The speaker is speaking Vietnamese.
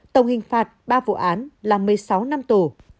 tổng hình phạt ba vụ án là một mươi sáu năm tù